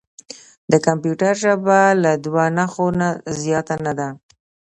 د کمپیوټر ژبه له دوه نښو نه زیاته نه ده.